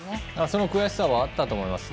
その悔しさはあったと思います。